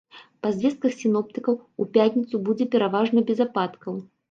Па звестках сіноптыкаў, у пятніцу будзе пераважна без ападкаў.